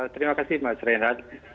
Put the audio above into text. terima kasih mas renha